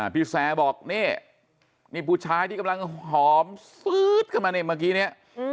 พี่แซร์บอกนี่นี่ผู้ชายที่กำลังหอมฟื๊ดขึ้นมานี่เมื่อกี้เนี่ย